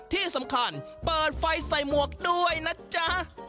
ที่สำคัญเปิดไฟใส่หมวกด้วยนะจ๊ะ